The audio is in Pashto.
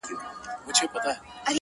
خپل عېب د ولو منځ دئ.